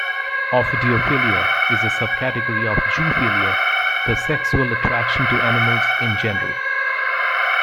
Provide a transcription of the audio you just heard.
Ophidiophilia is a subcategory of zoophilia, the sexual attraction to animals in general.